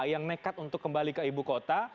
yang nekat untuk kembali ke ibu kota